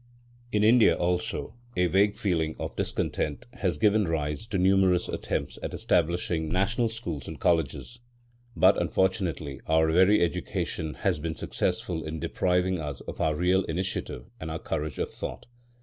In India, also, a vague feeling of discontent has given rise to numerous attempts at establishing national schools and colleges. But, unfortunately, our very education has been successful in depriving us of our real initiative and our courage of thought.